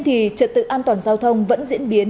thì trật tự an toàn giao thông vẫn diễn biến